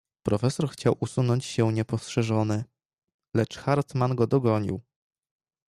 "Profesor chciał usunąć się niepostrzeżony, lecz Hartmann go dogonił."